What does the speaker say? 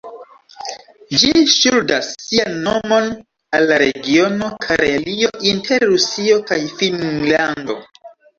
Ĝi ŝuldas sian nomon al la regiono Karelio inter Rusio kaj Finnlando.